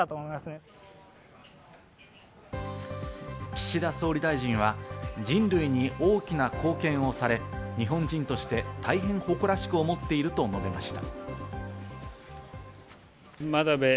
岸田総理大臣は人類に大きな貢献をされ、日本人として大変誇らしく思っていると述べました。